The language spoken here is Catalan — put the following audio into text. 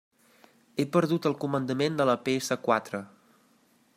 He perdut el comandament de la pe essa quatre.